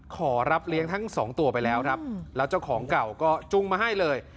ขอรับเลี้ยงทั้งสองตัวไปแล้วครับแล้วเจ้าของเก่าก็จุงมาให้เลย